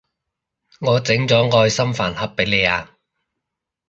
我整咗愛心飯盒畀你啊